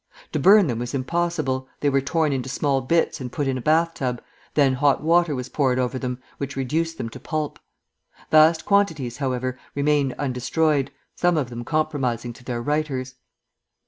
To burn them was impossible; they were torn into small bits and put in a bath tub, then hot water was poured over them, which reduced them to pulp. Vast quantities, however, remained undestroyed, some of them compromising to their writers.